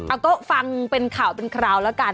เอาก็ฟังเป็นข่าวเป็นคราวแล้วกัน